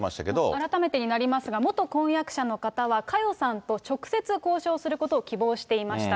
改めてになりますが、元婚約者の方は佳代さんと直接交渉することを希望していました。